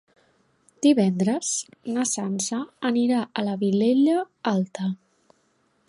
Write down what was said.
Divendres na Sança anirà a la Vilella Alta.